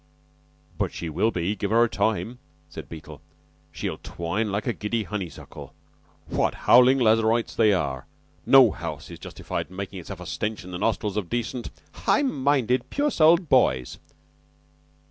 "But she will be. Give her time," said Beetle. "She'll twine like a giddy honeysuckle. What howlin' Lazarites they are! No house is justified in makin' itself a stench in the nostrils of decent " "High minded, pure souled boys.